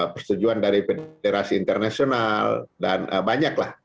persetujuan dari federasi internasional dan banyaklah